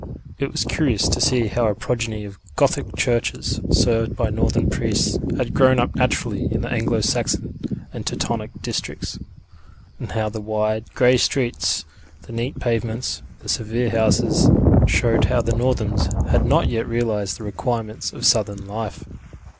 It was curious to see how a progeny of Gothic churches, served by northern priests, had grown up naturally in the Anglo Saxon and Teutonic districts, and how the wide, grey streets, the neat pavements, the severe houses, showed how the northerns had not yet realised the requirements of southern life.